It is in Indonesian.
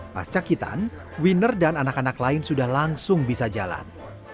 pas cakitan winner dan anak anak lain sudah langsung bisa jalan